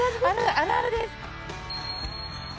あるあるですか？